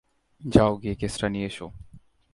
যাও গিয়ে কেসটা নিয়ে এসো।